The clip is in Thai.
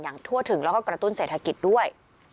ทั่วถึงแล้วก็กระตุ้นเศรษฐกิจด้วย